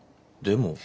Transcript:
でも。